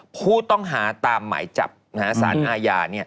ผู้ต้องหาตามหมายจับสารอาญา